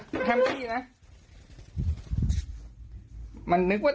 ออกไปเร็ว